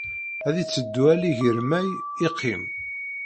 Ar itteddu allig iṛmey, iqqim.